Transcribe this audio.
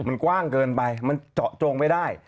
มันกว้างเกินไปมันเจาะจงไม่ได้